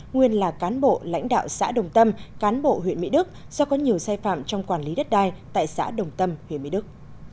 nguyên là cán bộ lãnh đạo xã đồng tâm cán bộ huyện mỹ đức do có nhiều sai phạm trong quản lý đất đai tại xã đồng tâm huyện mỹ đức